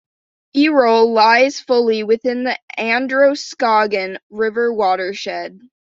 Errol lies fully within the Androscoggin River watershed.